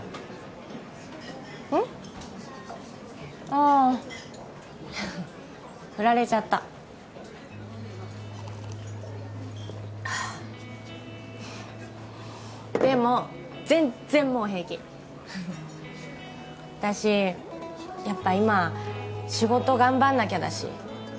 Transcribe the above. ああフラれちゃったでも全然もう平気私やっぱ今仕事頑張んなきゃだし